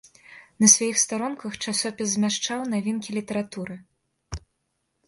На сваіх старонках часопіс змяшчаў навінкі літаратуры.